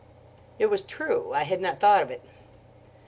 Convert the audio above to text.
It was true. I had not thought of it.